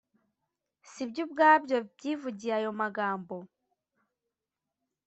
sibyo ubwabyo byivugiye ayo magambo